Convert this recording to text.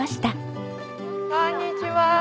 こんにちは！